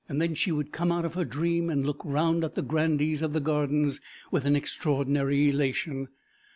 Then she would come out of her dream, and look round at the grandees of the Gardens with an extraordinary elation.